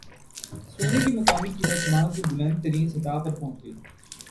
سونے کی مقامی قیمت ماہ کی بلند ترین سطح پر پہنچ گئی